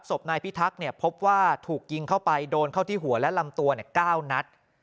ศพนายพิทักษ์พบว่าถูกยิงเข้าไปโดนเข้าที่หัวและลำตัว๙นัด